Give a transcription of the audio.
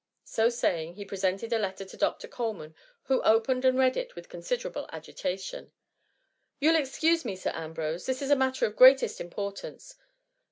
^ So saying he presented a letter to Dr. Cole* man, who opened and read it with considerable agitation. You 11 excuse me. Sir Ambrose, this iis a matter of the greatest importance.